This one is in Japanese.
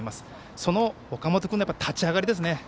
その岡本君の立ち上がりですね。